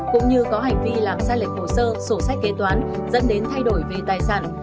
cũng như có hành vi làm sai lệch hồ sơ sổ sách kế toán dẫn đến thay đổi về tài sản